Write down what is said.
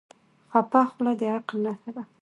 چپه خوله، د عقل نښه ده.